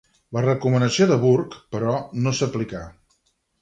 La recomanació de Burke, però, no s'aplicà.